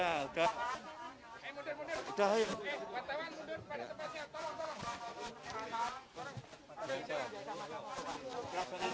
eh bantuan mundur pada tempatnya tolong tolong